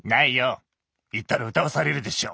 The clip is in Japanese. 言ったら歌わされるでしょ。